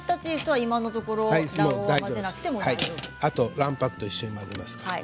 あとは卵白と一緒に混ぜますから。